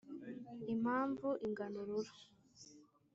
Impamvu ingana ururo